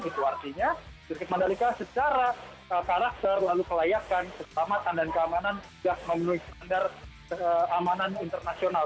itu artinya sirkuit mandalika secara karakter lalu kelayakan keselamatan dan keamanan sudah memenuhi standar keamanan internasional